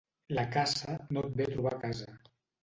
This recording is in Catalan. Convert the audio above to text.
La caça no et ve a trobar a casa.